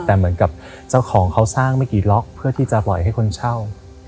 แต่เหมือนกับเจ้าของเขาสร้างไม่กี่ล็อกเพื่อที่จะปล่อยให้คนเช่า